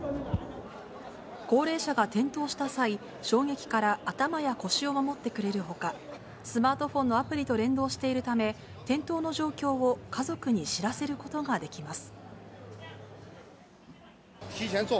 高齢者が転倒した際、衝撃から頭や腰を守ってくれるほか、スマートフォンのアプリと連動しているため、転倒の状況を家族に知らせることができます。